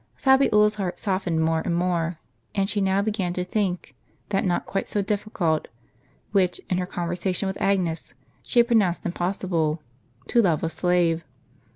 Fabiola's heart softened more and more; and she now began to think that not quite so difficult, which, in her conversation with Agnes, she had pronounced impossible — to love a slave.